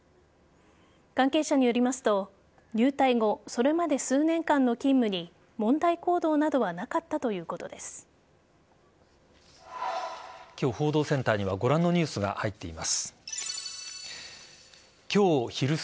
関係者によりますと入隊後それまで数年間の勤務に問題行動などはなかったということです。